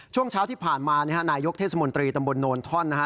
ช่วงเช้าที่ผ่านมานะฮะนายกเทศมนตรีตำบลโนนท่อนนะฮะ